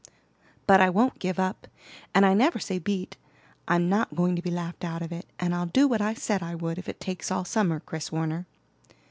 '" "But I won't give up, and I never say 'Beat.' I'm not going to be laughed out of it, and I'll do what I said I would, if it takes all summer, Chris Warner."